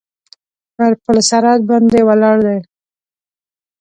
پر پل صراط باندې ولاړ دی.